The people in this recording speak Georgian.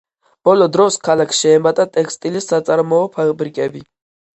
ბოლო დროს, ქალაქს შეემატა ტექსტილის საწარმოო ფაბრიკები.